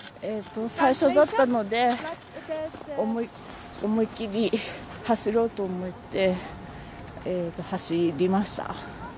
最初だったので思い切り走ろうと思って走りました。